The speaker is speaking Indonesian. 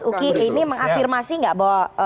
lakukan bukit ini mengafirmasi gak bahwa